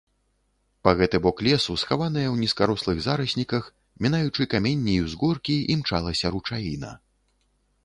Па гэты бок лесу, схаваная ў нізкарослых зарасніках, мінаючы каменні і ўзгоркі, імчалася ручаіна.